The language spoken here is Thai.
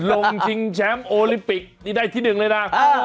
ชิงแชมป์โอลิมปิกนี่ได้ที่หนึ่งเลยนะ